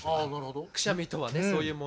くしゃみとはねそういうもの。